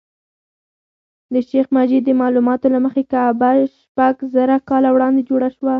د شیخ مجید د معلوماتو له مخې کعبه شپږ زره کاله وړاندې جوړه شوه.